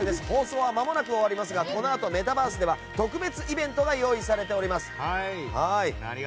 放送はまもなく終わりますがこのあとメタバースでは特別イベントが用意されております。